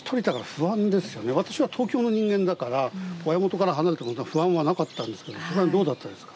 私は東京の人間だから親元から離れたことに不安はなかったんですけどその辺どうだったですか？